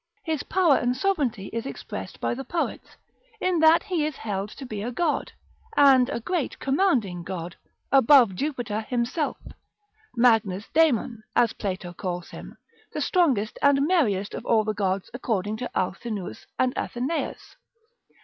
His power and sovereignty is expressed by the poets, in that he is held to be a god, and a great commanding god, above Jupiter himself; Magnus Daemon, as Plato calls him, the strongest and merriest of all the gods according to Alcinous and Athenaeus.